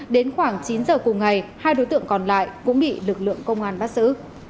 đến khoảng chín giờ cùng ngày hai đối tượng còn lại cũng bị lực lượng công an bắt giữ